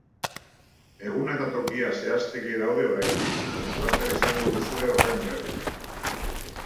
Eguna eta tokia zehazteke daude oraindik, baina laster izango duzue horren berri.